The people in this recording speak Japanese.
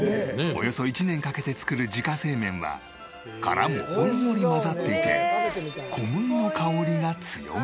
およそ１年かけて作る自家製麺は殻もほんのり混ざっていて小麦の香りが強め。